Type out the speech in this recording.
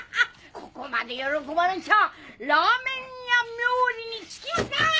ここまで喜ばれちゃあラーメン屋冥利に尽きますなあ